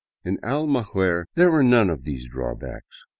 In Almaguer there were none of these drawbacks.